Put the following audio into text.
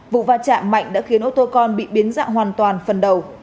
vụ va chạm mạnh đã khiến ô tô con bị biến dạng hoàn toàn phần đầu